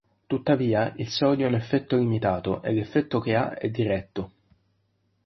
Tuttavia, il sodio ha un effetto limitato, e l'effetto che ha è diretto..